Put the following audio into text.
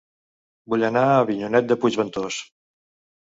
Vull anar a Avinyonet de Puigventós